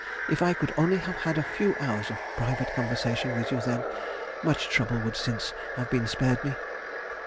If I could only have had a few hours of private conversation with you then, much trouble would since have been spared me.